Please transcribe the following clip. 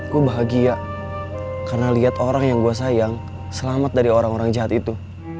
gua bahagia karena liat orang yang gua sayang selamat dari orang orang jahat itu